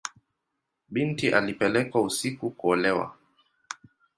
Binti alipelekwa usiku kuolewa.